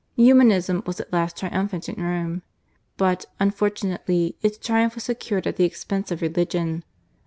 Humanism was at last triumphant in Rome, but, unfortunately, its triumph was secured at the expense of religion.